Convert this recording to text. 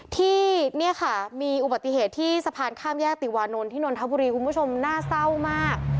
ที่เนี่ยค่ะมีอุบัติเหตุที่สะพานข้ามแยกติวานนท์ที่นนทบุรีคุณผู้ชมน่าเศร้ามาก